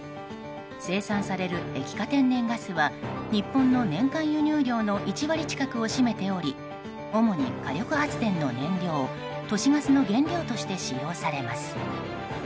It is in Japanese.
生産される液化天然ガスは日本の年間輸入量の１割近くを占めており主に火力発電の燃料都市ガスの原料として使用されます。